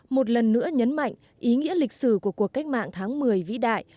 một lần nữa nhấn mạnh ý nghĩa lịch sử của cuộc cách mạng tháng một mươi vĩ đại